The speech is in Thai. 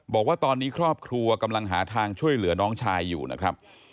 บอกว่าตอนนี้ครอบครัวกำลังหาทางช่วยเหลือน้องชายอยู่นะครับ